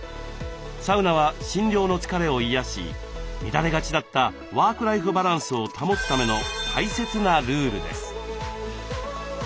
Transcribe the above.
サウナは診療の疲れを癒やし乱れがちだったワークライフバランスを保つための大切なルールです。